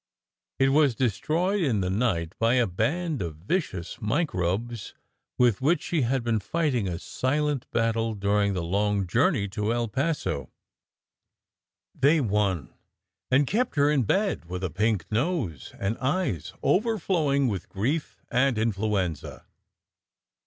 It was destroyed in the night by a band of vicious microbes with which she had been fighting a silent battle during the long journey to El Paso. They won, and kept her in bed with a pink nose and eyes overflowing with grief and influenza.